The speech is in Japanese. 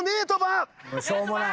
しょうもない。